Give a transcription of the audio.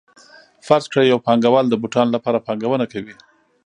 فرض کړئ یو پانګوال د بوټانو لپاره پانګونه کوي